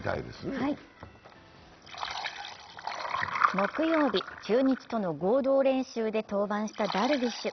木曜日、中日との合同練習で登板したダルビッシュ。